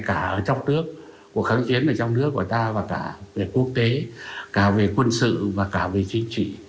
cả ở trong nước của kháng chiến ở trong nước của ta và cả về quốc tế cả về quân sự và cả về chính trị